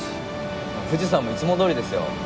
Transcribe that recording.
富士山もいつもどおりですよ。